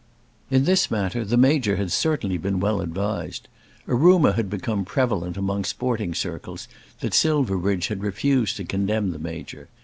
In this matter the Major had certainly been well advised. A rumour had become prevalent among sporting circles that Silverbridge had refused to condemn the Major.